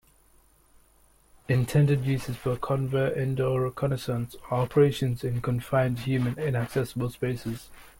Intended use is for covert indoor reconnaissance or operation in confined human-inaccessible spaces.